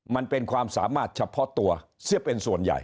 มันเป็นความสามารถเฉพาะตัวเสียเป็นส่วนใหญ่